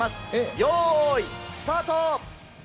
よーい、スタート。